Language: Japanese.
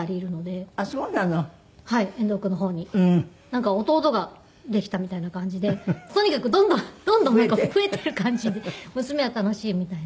なんか弟ができたみたいな感じでとにかくどんどんどんどん増えている感じで娘は楽しいみたいです。